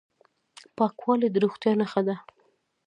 پاکوالی د روغتیا نښه ده.